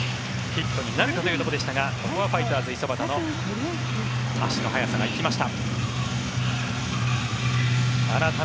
ヒットになるかというところでしたがここはファイターズ、五十幡の足の速さが生きました。